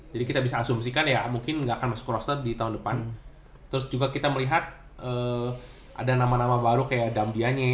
jadi kita bisa asumsikan ya mungkin gak akan masuk roster di tahun depan terus juga kita melihat ada nama nama baru kayak damdianye